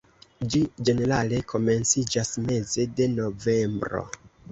Ĝi ĝenerale komenciĝas meze de novembro.